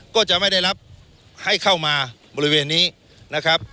ก็จะไม่ได้รับให้เข้ามาบริเวณนี้นะครับ